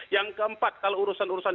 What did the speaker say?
yang keempat kalau urusan urusan